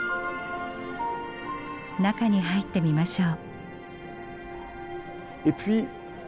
中に入ってみましょう。